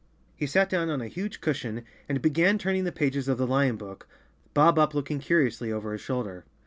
He sat down on a huge cushion and began turning the pages of the lion book, Bob Up looking curiously over his shoulder.